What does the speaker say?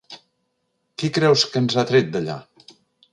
Qui creus que ens ha tret d'allà?